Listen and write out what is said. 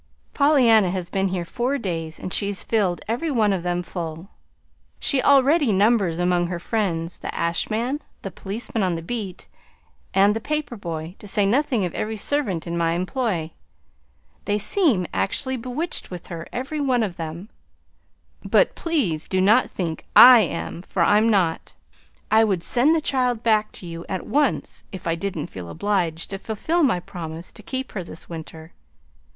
Pollyanna has been here four days, and she's filled every one of them full. She already numbers among her friends the ash man, the policeman on the beat, and the paper boy, to say nothing of every servant in my employ. They seem actually bewitched with her, every one of them. But please do not think I am, for I'm not. I would send the child back to you at once if I didn't feel obliged to fulfil my promise to keep her this winter.